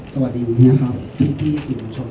สวัสดีครับที่สิ่งประชุม